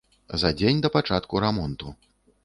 За дзень да пачатку рамонту.